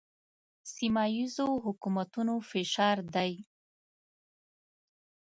سیمه ییزو حکومتونو فشار دی.